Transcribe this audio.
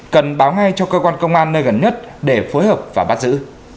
cần báo ngay cho cơ quan công an nơi gần nhất để phối hợp và bắt giữ